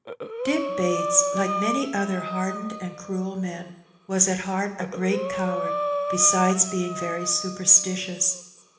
Dick Bates, like many other hardened and cruel men, was at heart a great coward, besides being very superstitious.